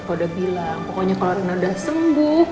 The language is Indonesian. pokoknya kalau rina udah sembuh